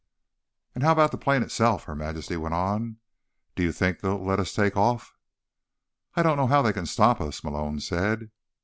"And how about the plane itself?" Her Majesty went on. "Do you think they'll let us take off?" "I don't know how they can stop us," Malone said.